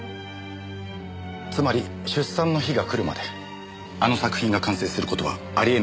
つまり出産の日が来るまであの作品が完成する事はありえなかった。